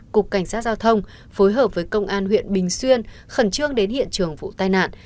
cục cảnh sát giao thông phối hợp với công an huyện bình xuyên khẩn trương đến hiện trường vụ tai nạn